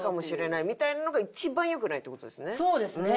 そうですね。